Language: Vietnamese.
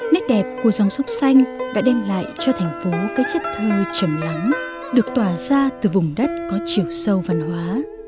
nét đẹp của dòng sông xanh đã đem lại cho thành phố cái chất thơ trầm lắng được tỏa ra từ vùng đất có chiều sâu văn hóa